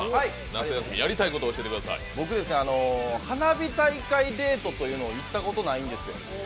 僕、花火大会デートというのを行ったことないんですよ。